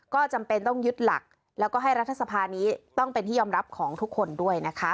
ก็จำเป็นต้องยึดหลักแล้วก็ให้รัฐสภานี้ต้องเป็นที่ยอมรับของทุกคนด้วยนะคะ